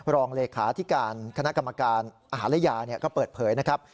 รองเลขาธิการคณะกรรมการอาหารและยาก็เปิดเผยนะครับ